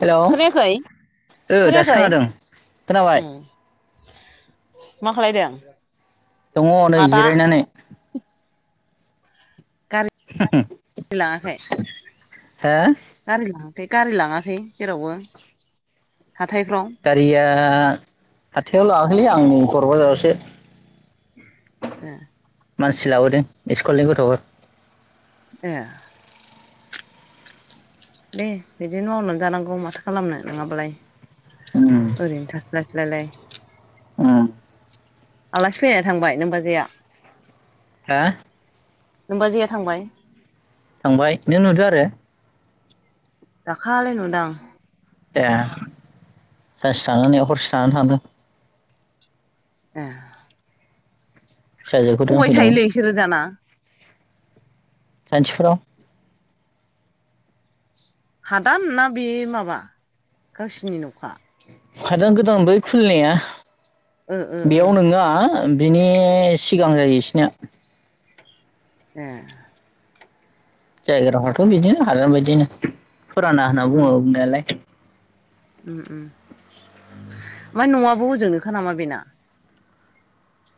Hello खोनायाखै ओ दासो खोनायाखै खोनादों खोनाबाय उम [unintelligible] मा खालायदों दङ नै आदा जिरायनानै गारि लाङाखै हो गारि लां खै गारि लाङाखै जेरावबो हाथायफ्राव गारिया हाथायाव लांआखैलै आं नै कर बाझारावसो [inaudible] मानसि लाबोदों इसकुलनि गथ'फोर ए दे बिदिनो मावनानै जानांगौ माथो खालामनो नङाबालाय उम ओरैनो थास्लायस्लायलाय उम आलासि फैनानै थांबाय नोमबाजैआ हा नोमबाजैया थांबाय थांबाय नों नुदों आरो दालालि नुदां ए सानसे थानानै हरसे थानानै थांदों ए फिसाजोखौ अबाय दोनफैदोंमोन थायोलै इसोरो दाना सानथिफुराव हादान ना बे माबा गावसिनि न'खा खायदा गोदान बै खुलिनाया ओ ओ ओ बेयाव नोङा बिनि सिगां जायो इसिनिया ए जायगाफ्राथ' बिदिनो हादान बायदिनो फुराना होनना बुङो उम बुंनायालाय उम उम ओमफाय न'आबो होजोंनोखा नामा बेना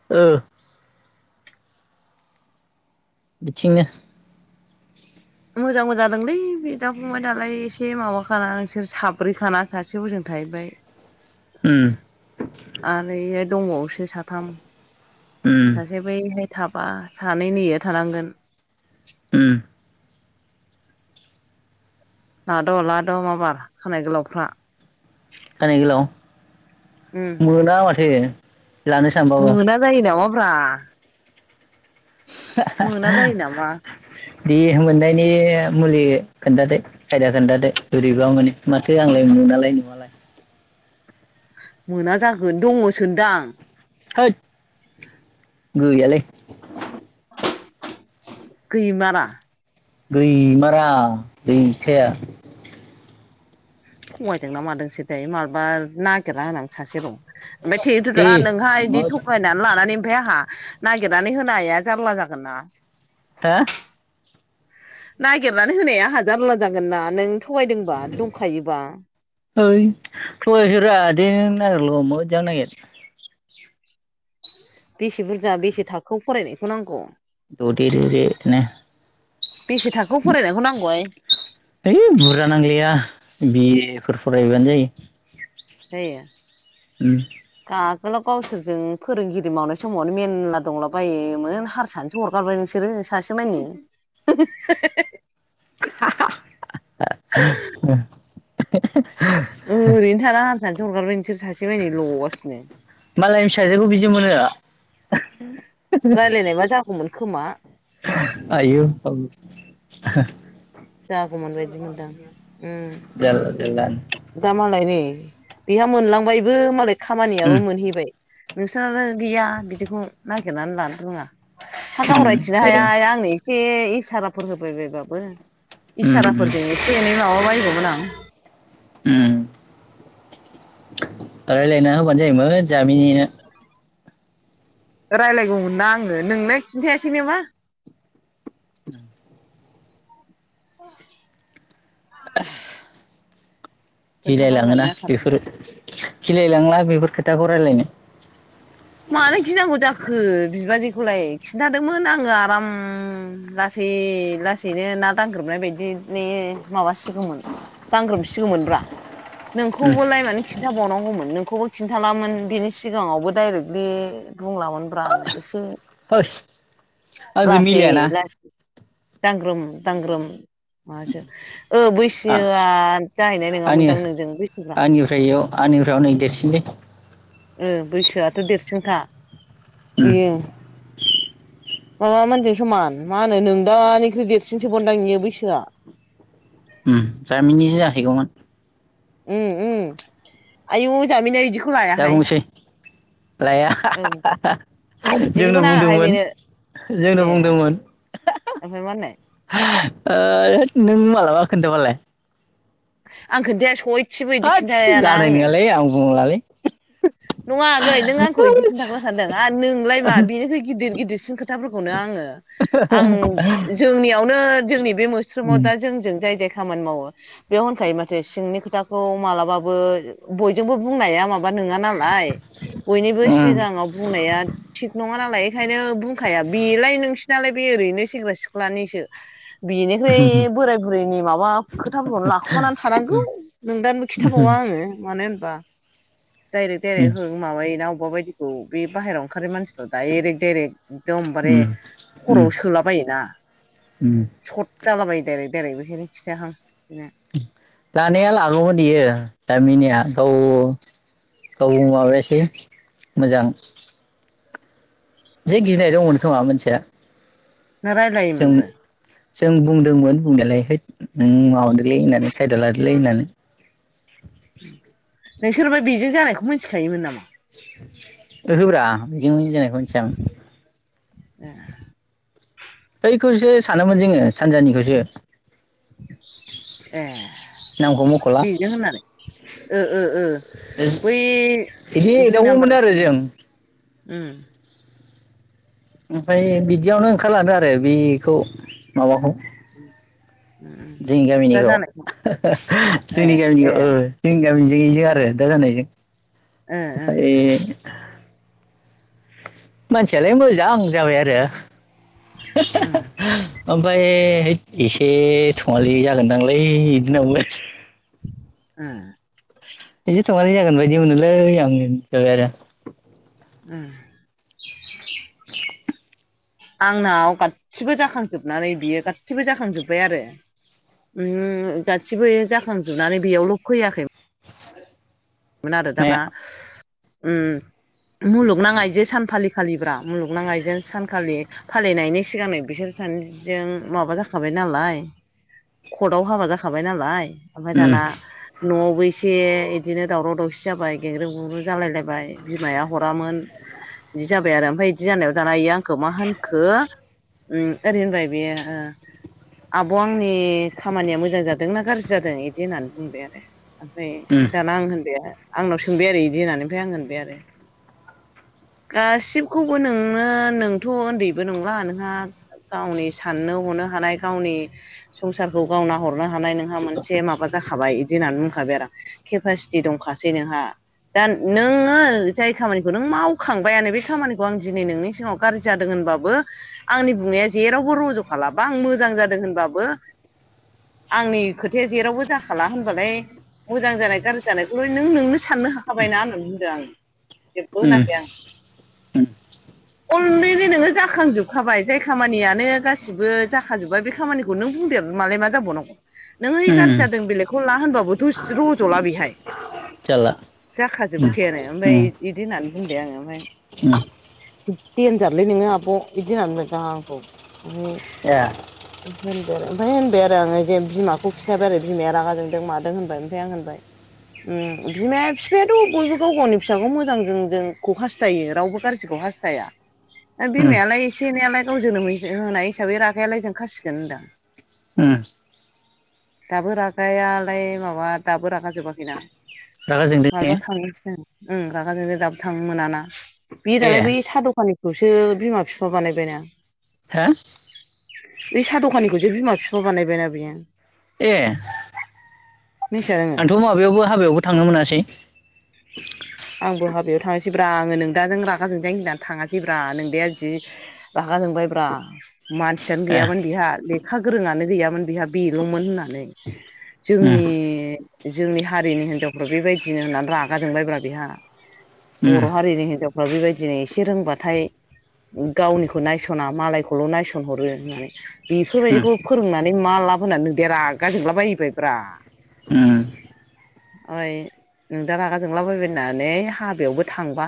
ओ बिथिंनो मोजांबो जादोंलै बिदा फंबाय दालाय एसे माबाखाना नोंसोर साब्रैखाना सासे ह'जों थाहैबाय बाय उम आरो इहाय दंबावोसो साथाम उम सासे बैहाय थाबा सानै नैहाय थानांगोन उम लाद' लाद' माबार खानाय गोलावफ्रा खानाय गोलाव उम मोना माथो लानो सानबाबो मोना जायो नामाब्रा मोना जायो नामा [unintelligible] दे मोननायनि मुलि खोन्थादो खायदा खोन्थादो बोरैबा मोनो माथो आंलाय मोन नोंनालाय नुङालाय मोना जागोन दङ सो दां। होद गैयालै। गैमारा। गैमारा गैखाया। थगायदोंना मादोंसो थाय मालबा नागिरना होनां सासे दं। ओमफाय दे ट्रेक्टरं नोंहा बिदि थगायनानै लानानै ओमफ्राय आंहा नागिरनानै होनो हाया जारला जागोन ना। हा नागिरनानै होनाया जारला जागोन ना नों थगायदोंबा दंखायोबा। ओइ थगायाखै ब्रा दे नों नागिरल मोजां नागिर। बेसे बुरजा बेसे थाखोआव फरायनायखौ नांग? ददेरेरे नो। बेसे थाखोआव फरायनायखौ नांगौहाय? ओइ बुरजा नांलाया बिए फोर फरायबानो जायो जायो। ओम आगोलाव गावसोरजों फोरोंगिरि मावनाय समावनो मेरला दंला बायोमोन हारसानोसो हरगारबाय नों सोरो सासे मानि [unintelligible] ओरैनो थाना हारसानोसो हरगारबाय नोंसोर सासे मानि ल'गासिनो मालायनि फिसाजोखौ बिदि मोनो? राय्लायनायबा जागौमोन खोमा आयौ औ जागौमोन बायदि मोनदां ओम जारला जारलानो दा मालाय नै बेहा मोनलांबायबो मालाय खामानियाबो ओं मोनहैबाय नोंसोरनालाय‌ गैया बिदिखौ नागिरनानै लानो रोङा हा गाव रायथिनो हाया हाया‌ आंनो एसे इसाराफोर होबायबायबाबो इसाराफोरजों एसे एनै माबाबायगौमोन आं ओम‌ राय्लायना होबानो जायोमोन जामिनिनो रायलायगौमोन ना आङो नोंना खिन्थायासै नोबा‌ न [unintelligible] [unintelligible] [unintelligible] खोन्थाबायबानो गिलायलाङोना जाथारमोन बेफोर गिलायलांङोलां बेफोर खोथाखौ रायलायनो। मानो गिनांगौ जाखो बिबाजै? खौलाय खिन्थादोंमोन आङो आराम लासै लासैनो ना दांग्रोबनाय बायदि ने माबासिगौमोन दांग्रोमसिगौमोनब्रा उम नोंखौबोलाय मानो खिन्थाबावनांगौमोन नोंखौबो खिन्थालामोन बिनि सिगाङावबो डाइरेक्टलि बुंला मोन ब्रा आङो एसे होस आंजों लासै मिलायाना लासै दांग्रोम दांग्रोम मासो ओ आ बैसोआ जाहैनाय नोङामोनदां नोंजों बैसोफ्रा आंनिफ्रायाव अनेख देरसिनलै ओ बैसोआथ' देरसिनखा उम एयो माबा मोनजों समान मा होनो नोंदा निख्रुइ देरसिनसोबावनदां इयो‌ बैसोआ जामिनिजो जाहैगौमोन। उम उम आयु जामिनिया‌‌इदि दा बुंसै लाया औ इदिखौ जोंनो नाङाहाय बुंदोंमोन। बेनो जोंनो ए बुंदोंमोन। ओमफ्राय मा होननाय ओ होथ नों मालाबा खोन्थाबालाय? आं खोन्थाया सयथिबो बिदि होदस खिन्थायाना जानाय आङो नङालै आं बुंलालै नङा आगै नों आंखौ इदि होदस खिथाग्रा सानदों आं नोंलाय मा बेनिख्रइ गिदिर गिदिरसिन ख खोथाफोरखौनो आङो आं जोंनियावनो जोंनि बे मोस्रोमाव उम दा जोंजों जाय जाय खामानि मावो बेयाव होनखायो माथो सिंनि खोथाखौ मालाबाबो बयजोंबो बुंनाया माबा नङा नाय बयनिबो उम सिगाङाव बुंनाया थिग नङा नालाय ओंखायनो बुंखाया बेलाय नोंसि नालाय बे ओरैनो सेंग्रा सिख्लानिसो बेनिफ्रायु बोराय बुरैनि माबा खोथाफोरखौनो लाखुमानानै थानांगौ। नोंदानोबो खिथाबावा आङो मानो होन बा- डाइरेक्ट उम डाइरेक्ट हो माबायो ना अबेबा बायदिखौ बे बाहेरायाव ओंखारि मानसि दयरेक्ट दइरेक्ट एकदमबारे उम खर'आव सोला बायोना उ जाला बायो देरै देरै बेखनो खिथायाहां बिनो जानाया लागौमोन बियो दामिनिया गाव गाव माबा एसे मोजां जे गिनाय दंमोन खोमा मानसिया नों जों रायजलायोमोनबो? जों बुंदोंमोन बुंनायालाय नों माबादोलै होननानै खायदा लादोलै होननानै। नोंसोरबो बेजों जानायखौ मिथिखायोमोन नामा? ओहोब्रा बिजों जानायखौ मिथिया मोन। ए बैखौसो सानोमोन जोङो सानजानिखौसो ए नामखौ मख'ला बेजों होननानै ओ ओ बै बिदि दुइ एदावगौमोन नाम्बार- आरो जों उम ओमफ्राय बिदियावनो ओंखारलादो आरो बेखौ माबाखौ औ जोंनि गामिनिखौ ए जोंनि ए गामिनिखौ जोंनि गामिनिजों इजों आरो दा जानाय फ्राय- मानसियालाय मोजां जाबाय आरो ओमफ्राय हैद बिस ए थङालि जागोनदांलै इदि होनना उम इसे थ'ङालि जागोन बायदि मोनोलै आं जाबाय आरो। ओम [unintelligible] आंनाव गासिबबो जाखांजोबनानै बियो गासिबो जाखांजोब्बाय आरो। गासिबो जाखांजोबनानै बेयावल' फैयाखैमोन मोन आरो माया दाना ओम मुलुगनां आइजो सान फालिखालिब्रा मुलुगनाां आइजो सानखालि फालिनायनि सिगां बिसोर जों माबा जाखाबाय नालाय कर्टआव हाबा जाखाबाय नालाय ओमफ्राय उम दाना न'आवबो इसे बिदिनो दावराव दावसि जाबाय गेंग्रो गुग्रु जालायलायबाय बिमाया हरामोन बिदि जाबाय आरो ओमफ्राय बिदि जानायाव इयो आंखौ मा होनखो- उ ओरै होनबाय बेयो ओ आब' आंनि खामानिया मोजां जादोंनाा गाज्रि जादों बिदि होननानै बुंबाय आरो। ओमफ्राय उम दाना आं होनबाय आंनाव सोंबाय आरो बिदि होननानै ओमफ्राय आं होनबाय आरो- गासिबखौबो नोंनो नोंथ' उन्दैबो नंला नोंहा गावनि साननो हनो हानाय गावनि संसारखौ गाव नाहरनो हानाय हानाय नोंहा मोनसे माबा जाखाबाय बिदि होननानै बुंखाबाय आरो केपासिटि दंखासै नोंहा दा नोङो जाय खामानिखौ नों मावखांबायानो बे खामानिखौ आं दिनै नोंनि सिगाङाव गाज्रि जादों होन होनबाबो आंनि बुंनाया जेरावबो रज' खालाबा आं मोजां जादों होनबाबो आंनि खोथाया जेरावबो जाखाला होनबालाय मोजां जानाय गाज्रि जानायखौल' नों नोंनो साननो हाखाबायना होननानै बुंदों आं जेबो उम होनाखै आं उम अलरेडि नोङो जाखांजोबखाबाय जाय खामानियानो गासिबो जाखाजोब्बाय बे खामानिखौ नों बुंदेर मालाय मा जाबावनांगौ नोङ ओ गार्जि उम जादों बेलेगखौ ला होनबाबोथ' रज'ला बेहाय जाल्ला जाखाजोबखायानो ओमफ्राय बिदि होननानै बुंबाय आङो उम ओमफ्राय देनजारलै नोङो आब होनबाय गावहा आंखौ आरो ए ओमफ्राय होनबाय आरो आङो जे बिमाखौ खिन्थबाय आरो बिमाया रागाजों मादों होनबाय ओमफ्राय आं होनबाय बिमाया बिफायाथ' बयबो गाव गावनि फिसाखौ मोजां जों जोंखौ हास्थायो रावबो गाज्रिखौ हास्थाया। उम बिमायालाय एसे एनैलाय गाव जोनोम होनाय हिसाबै राखायालाय जों खासिगोन होनदां उम। दाबो रागायालाय माबा दाबो रागा जोबाखैना। रागा जोंदों ने माब्लाबा थांसै उम रागा जोंनाया दाबो थांनो मोनाना बे ए दालाय बै साहा दखानिखौसो बिमा बिफा बानायबायना। हा? बे साहा दखानिखौसो बिमा बिफा बानायबायना बेयो ए मिथिया नोङो आंथ' माबायावबो हाबायावबो थांनो मोनासै आंबो हाबायाव थांङासैब्रा आङो नों दाजों रागााजोंजों आं गिनानै थाङासैब्रा नोंदाया जि रागा जोंबाय ब्रा मानसियानो ए गैयामोन बिहा लेखा गोरोङानो गैयामोन बिहा बेल'मोन होनना उम जोंनि जोंनि हारिनि हिनजावफ्रा बेबायदिनो होननानै रागा जोंबायब्रा बेहा उम बर' हारिनि हिनजाव बेबायदिनो एसे रोंबाथाय गावनिखौ नायस'ना मालायखौल' नायसनहरो होननानै। उम बेफोरबायदिखौ फोरोंनानै मा लाब होनानै नों दे रागाजोंला बायोबायब्रा उम। ओय नों दा रागा जोंलाबायबायनानै हाबायावबो थांबा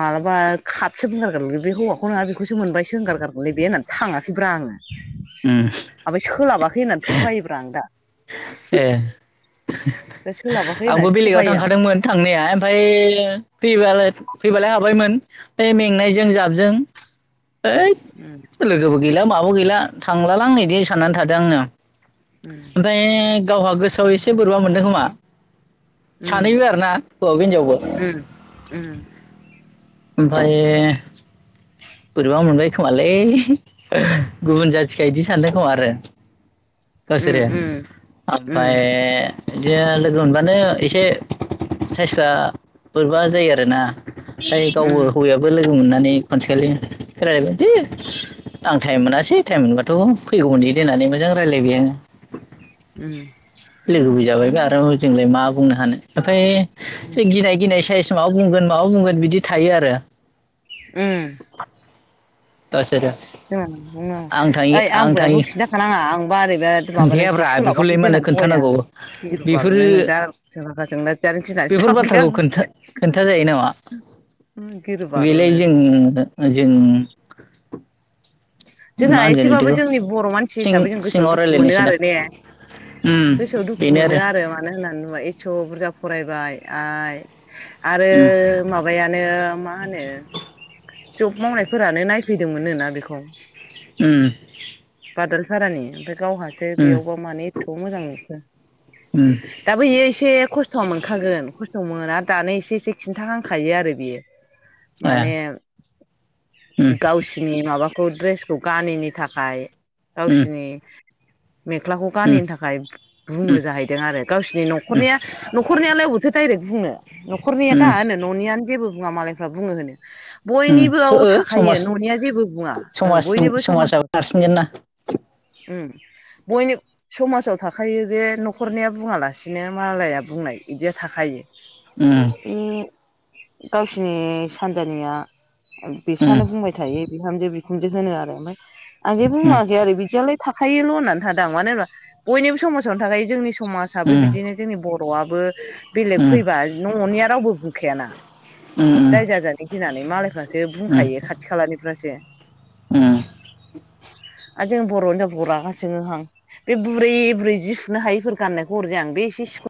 मालाबा खपसो बुंगारगोन हौवा खौ नौहा बेखौसो मोनबायसोंगारगारगोन न बे होननानै थाङाखैब्रा आङो। उम ओमफ्राय सोलाबाखै होननानै थगायोब्रा आं दा ए। [unintelligible] आंबो होननानैसो बेलेगाव थगायो थांखादोंमोन थांनाया ओमफ्राय फै फैबालाय हाबायमोन है मेंनायजों जाबजों है आं लोगोबो गैला माबो गैला थांलाला आं इदि सानना थादो आंनो। उम। गावहा गोसोआव एसे बोरबा मोनदों खोमा? उम सानैबो आरोना हौवाबो हिनजावबो। उम उम ओमफाय बोरैबा मोनबाय खोमालै गुबुन जाथिखाय बिदि सानदों खोमा आरो [unintelligible] उम उम। उम ओमफ्राय बिदिनो लोगो मोनबानो एसे साइसफ्रा बोरबा जायो आरोना मफ्राय गावबो हौवायाबो लोगो दुु मोननानै खनसेखालि फेरायबाय दे आं टाइम मोनासै टाइम मोनबाथ' फैगौ मोनदै दोननानै मोजां रायज्लायबाय आङो। [unintelligible] लोगोबो जाबाय ब्रा आरो जोंलाय मा बुंनो हानो ओमफ्राय जों गिनाय गिनाय थाइस माबा बुंगोन माबा बुंगोन बिदि थायो आरो। उम। [unintelligible] आं थाङि ओइ आं बुंनायखौ थाङि खिन्था खानांङा आंबा ओरैबा माबानायसो खोन्थायाब्रा बेखौलाय सोलाबाखैसो मानो होना थगायदों खोन्थानांगौ आं गिरु बेफोरो बारुनो नोंदा [unintelligible] थिनानैसो बेफोर थाबहै बाथ्राखौ आं। खोन्था खोन्था जायो नामा उम, बेलाय बारुनो जों- जों [unintelligible] जोंहा मा होनगोन एसेबाबो बिदिखौ जोंनि बर' मानसि सिं हिसाबै जों गोसोआव सिङाव दुखु मोनो रायलायनायसो दा आरो ने? उम गोसोआव दुखु बेनो मोनो आरो मानो होननानै बुंबा [unintelligible] बुरजा फरायबाय आइ आरो माबायानो मा मा होनो जब मावनायफोरानो नायफैदोंमोनोना बेखौ उम बादोल फारानि। गावहासो उम उम बेयावबा माने एथ' मोजां नुखो उम दाबो इयो एसे खस्थ' मोनखागोन खस्थ' मोना दानो एसे -एसे खिन्थाहांखायो आरो बियो ए माने उम गावसिनि माबाखौ द्रेस [unintelligible] गानिनि थाखाय उम गावसिनि मेख्लाखौ उम गानिनो थाखाय बुङो जाहैदों आरो गावसिनि न'खरनिया न'खरनियालाय अबावथो डाइरेक्ट बुंनो उम न'खरनिया दा होनो न'नियानो जेबो बुङा मालायफ्रा बुङो होनो उम बयनिबोआव उम थाखायो समाज न'निया जेबो बुङा औ समाजनि बयनिबो समाजाव समाजाबो थाखायो नारसिनगोन ना ओम [inaudible] बयनि समाजाव थाखायो जे न'खरनिया बुङालासिनो मालाया बुंनाय बिदिया थाखायो। उम बे गावसिनि सानजानिया उम बिसानो बुंबाय थायो बिहामजो बिखुनजो होनो आरो ओमफ्राय आं जेबो उम बुङाखै आरो बिदियालाय थाखायोल' होननानै थादों मानो होनबा बयनिबो समाजावनो थाखाय जोंनि समाजाबो उम बिदिनो जोंनि बर'आबो बेलेग फैबा न'निया रावबो बुंखायाना उम दाय जाजानो गिनानै मालायफ्रासो बुंखायो खाथि खालानिफ्रासो ओम। आरो जों बर' हिनजावफैरखौ रागासो जोंओ हां। बे बुरै- बुरै जि सुनो हायिफोर गाननायखौ अरजाया आं। बे एसे सि